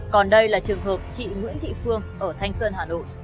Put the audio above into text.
còn đây là trường hợp chị nguyễn thị phương ở thanh xuân hà nội